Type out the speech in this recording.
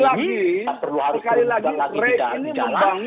tidak perlu harus berubah lagi di dalam